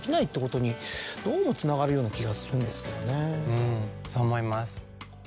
うんそう思います。